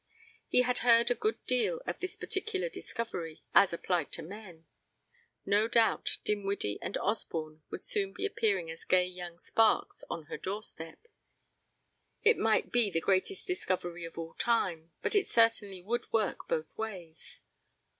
He had heard a good deal of this particular discovery as applied to men. No doubt Dinwiddie and Osborne would soon be appearing as gay young sparks on her doorstep. It might be the greatest discovery of all time, but it certainly would work both ways.